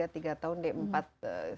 d tiga tiga tahun d empat empat tahun